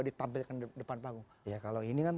ditampilkan di depan panggung